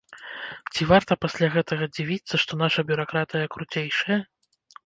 Ці варта пасля гэтага дзівіцца, што наша бюракратыя круцейшая.